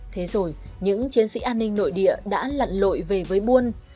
thế rồi những chiến sĩ an ninh nội địa đã lặn lội về với buôn